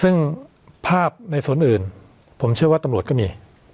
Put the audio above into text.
ซึ่งภาพในส่วนอื่นผมเชื่อว่าตำรวจก็มี